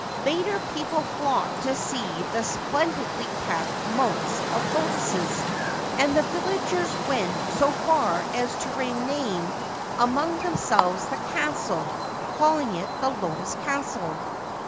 Later, people flocked to see the splendidly kept moats of lotuses, and the villagers went so far as to rename among themselves the castle, calling it the Lotus Castle.